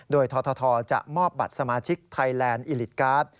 โดยททจะมอบบัตรสมาชิกไทยแลนด์อิลิตการ์ด